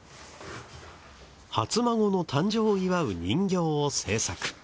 初孫の誕生を祝う人形を制作。